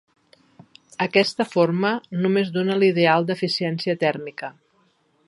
Aquesta forma només dóna l'ideal d'eficiència tèrmica.